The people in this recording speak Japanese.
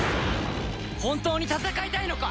本当に戦いたいのか？